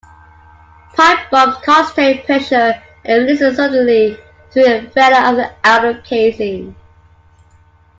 Pipe bombs concentrate pressure and release it suddenly, through failure of the outer casing.